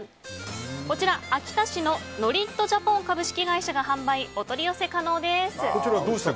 こちら、秋田市のノリット・ジャポン株式会社が販売お取り寄せ可能です。